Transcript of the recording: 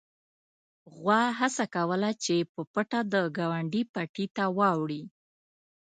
غوا هڅه کوله چې په پټه د ګاونډي پټي ته واوړي.